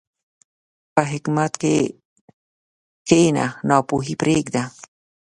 په حکمت کښېنه، ناپوهي پرېږده.